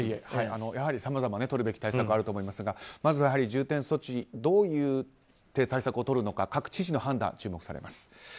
さまざまとるべき対策はあると思いますがまずは重点措置どういう対策をとるのか各知事の判断が注目されます。